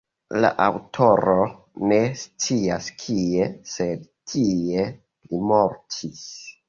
La aŭtoro ne scias kie, sed tie li mortis.